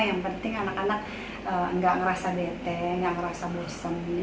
yang penting anak anak gak ngerasa bete gak ngerasa berusaha